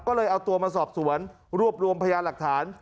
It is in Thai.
ก็เลยเอาตัวมาสอบสวนรวบรวมพยานหลักฐาน